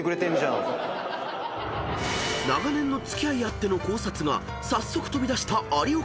［長年の付き合いあっての考察が早速飛び出した有岡チーム］